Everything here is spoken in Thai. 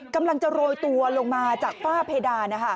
กำลังจะโรยตัวลงมาจากฝ้าเพดาน